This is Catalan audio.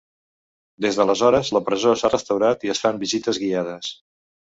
Des d'aleshores, la presó s'ha restaurat i es fan visites guiades.